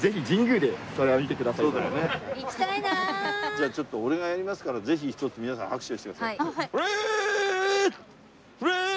じゃあちょっと俺がやりますからぜひ皆さん拍手してください。